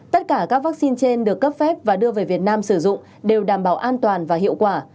tất cả các vaccine trên được cấp phép và đưa về việt nam sử dụng đều đảm bảo an toàn và hiệu quả